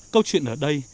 câu chuyện ở đây